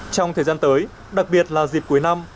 trong thời gian tới đặc biệt là dịp cuối năm